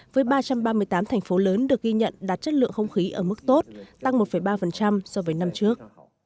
với ba trăm ba mươi tám thành phố lớn được ghi nhận đạt chất lượng không khí ở mức tốt tăng một ba so với năm trước